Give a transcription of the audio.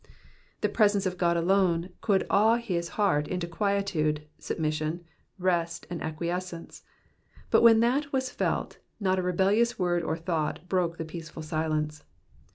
The presence of God alone could awe his heart into quietude, submission, rest, and acquiescence ; but when that was felt, not a rebellious word or thought broke the peaceful silence.